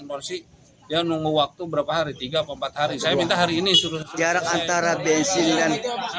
polisi yang nunggu waktu berapa hari tiga empat hari saya minta hari ini suruh jarak antara bensin dan